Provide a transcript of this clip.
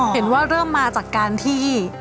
เห็นว่าเริ่มมาจากการที่